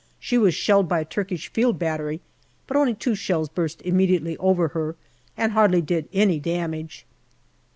She was shelled by a Turkish field battery, but only two shells burst immediately over her, and hardly did any damage.